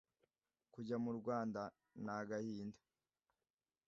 Kujya mu Rwanda ni agahinda